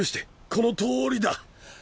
このとおりだ。